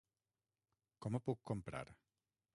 Com ho puc comprar?